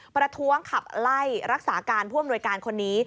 ประท้วงขับไล่รักษาการผู้อำนวยการคนนี้